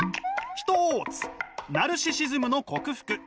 ナルシシズムの克服！